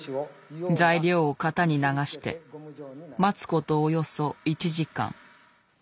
材料を型に流して待つことおよそ１時間。